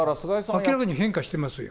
明らかに変化してますよ。